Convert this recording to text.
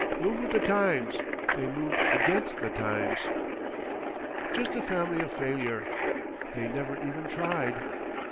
Move with the times!—they moved against the times. "Just a Family of Failure,—they never even tried!